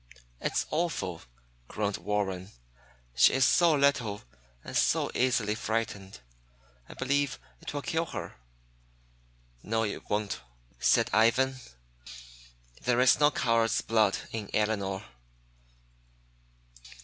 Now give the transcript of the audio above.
"It is awful!" groaned Warren. "She is so little, and so easily frightened. I believe it will kill her." "No, it won't," said Ivan. "There is no coward's blood in Elinor.